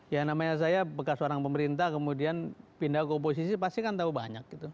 ya namanya saya bekas orang pemerintah kemudian pindah ke oposisi pasti kan tahu banyak gitu